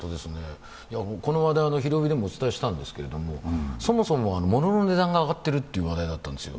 この話題、「ひるおび！」でもお伝えしたんですけれども、そもそも物の値段が上がっているという話題だったんですよ。